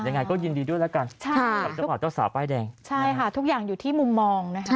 ยังไงก็ยินดีด้วยแล้วกันครับเจ้าสาวป้ายแดงใช่ค่ะทุกอย่างอยู่ที่มุมมองเนี่ย